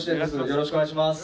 よろしくお願いします。